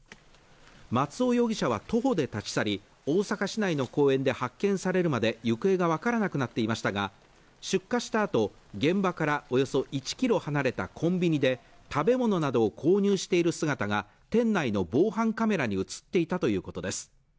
松尾容疑者は徒歩で立ち去り大阪市内の公園で発見されるまで行方が分からなくなっていましたが出火したあと現場からおよそ１キロ離れたコンビニで食べ物などを購入している姿が店内の防犯カメラに映っていたということです